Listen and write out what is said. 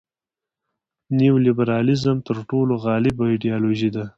نیولیبرالیزم تر ټولو غالبه ایډیالوژي ده.